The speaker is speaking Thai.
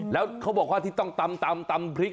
แล้วเขาบอกว่าที่ต้องตำพริก